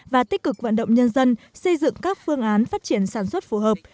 và tích cực vận động nhân dân xây dựng các phương án phát triển sản xuất phù hợp